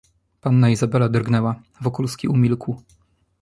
"Panna Izabela drgnęła, Wokulski umilkł."